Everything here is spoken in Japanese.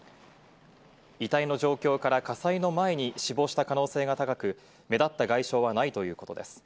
遺体の状況から火災の前に死亡した可能性が高く、目立った外傷はないということです。